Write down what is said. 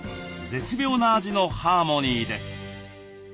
絶妙な味のハーモニーです。